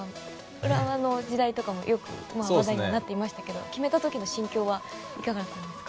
浦和の時代とかも話題になっていましたけど決めた時の心境はいかがでしたか？